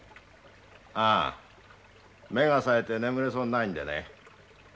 ああ目がさえて眠れそうにないんでね。